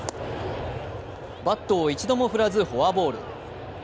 バットを一度も振らず、フォアボール。